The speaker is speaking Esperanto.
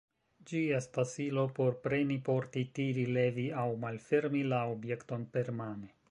Ĝi estas ilo por preni, porti, tiri, levi aŭ malfermi la objekton permane.